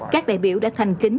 các đại biểu đã thành kính